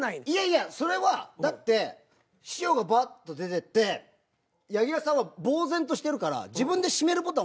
いやいやそれはだって師匠がバッと出てって柳楽さんは茫然としてるから自分で「閉める」